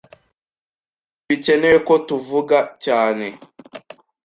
Ntibikenewe ko tuvuga cyane.